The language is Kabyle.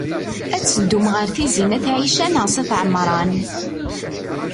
Ad teddum ɣer Tizi n at Ɛica neɣ s at Ɛemṛan?